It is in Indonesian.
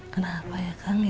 kenapa ya kang